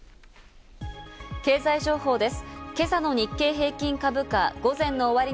経済情報です。